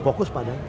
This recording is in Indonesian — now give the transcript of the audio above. fokus pada itu